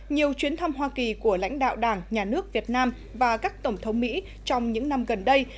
nhiều chuyến thăm hoa kỳ của lãnh đạo đảng nhà nước việt nam và các tổng thống mỹ trong những năm gần đây